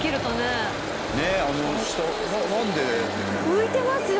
浮いてますよ